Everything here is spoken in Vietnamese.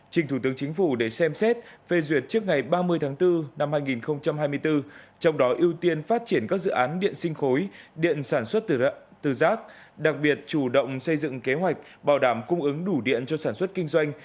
trình thủ tướng chính phủ để xem xét phê duyệt trước ngày ba mươi tháng bốn năm hai nghìn hai mươi bốn trong đó ưu tiên phát triển các dự án điện sinh khối điện sản xuất từ rác đặc biệt chủ động xây dựng kế hoạch bảo đảm cung ứng đủ điện cho sản xuất kinh doanh